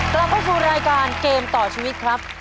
กลับเข้าสู่รายการเกมต่อชีวิตครับ